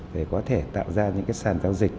để có thể tạo ra những cái sàn giao dịch